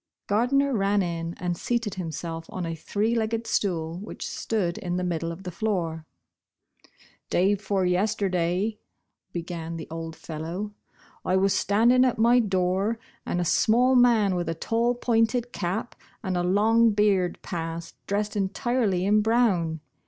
Gardner ran in, and seated himself on a three legged stool, which stood in the middle of the floor. " Day before yesterday," began the old fellow, " I was standing at my door, and a small man, with a tall pointed cap and a long beard, passed, dressed entirely in brown.